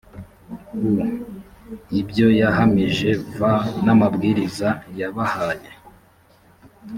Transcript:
u ibyo yahamije v n amabwirizaw yabahaye